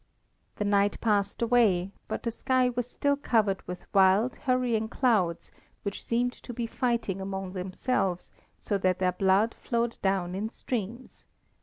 The night passed away, but the sky was still covered with wild, hurrying clouds which seemed to be fighting among themselves so that their blood flowed down in streams.